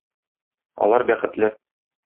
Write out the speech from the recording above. Алар бәхетле.